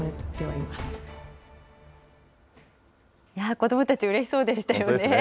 子どもたち、うれしそうでしたよね。